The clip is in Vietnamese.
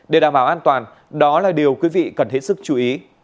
để đảm bảo an toàn đó là điều quý vị cần hết sức chú ý